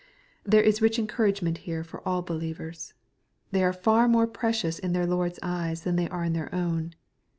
There is rich encouragement here for all believers. They are &r more precious in their Lord's eyes than they are in their own.